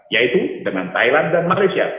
yaitu dengan thailand dan malaysia